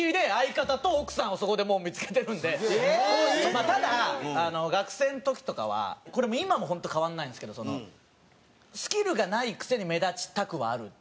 まあただ学生の時とかはこれ今も本当変わらないんですけどスキルがないくせに目立ちたくはあるというか。